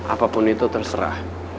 apapun itu terserah